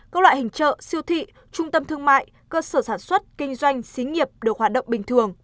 các loại hình chợ siêu thị trung tâm thương mại cơ sở sản xuất kinh doanh xí nghiệp được hoạt động bình thường